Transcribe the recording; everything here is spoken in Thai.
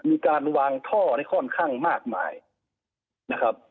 มีการวางท่อได้ค่อนข้างมากมายนะครับ